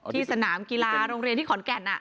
สนามกีฬาโรงเรียนที่ขอนแก่น